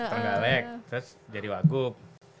terenggalek terus jadi waguk